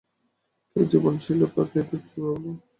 কী জীবন ছিল পাগলদিদির যৌবনে?